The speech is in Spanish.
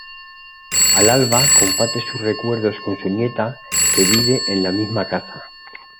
Al alba comparte sus recuerdos con su nieta que vive en la misma casa.